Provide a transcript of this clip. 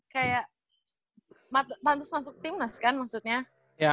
kayak pantas masuk timnas kan maksudnya